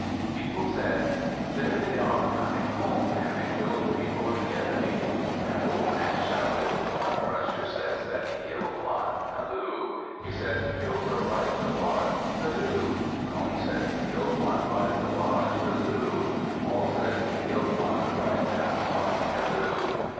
People said, "There they are coming home, having killed the people of the enemy." An old man shouted: "Corn Crusher says that he killed one. Halloo! He says he killed her right at the lodge. Halloo! Comb says he killed one right at the lodge. Halloo! Awl says he killed one right at the lodge. _Halloo!